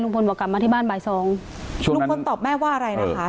บอกกลับมาที่บ้านบ่ายสองลุงพลตอบแม่ว่าอะไรนะคะ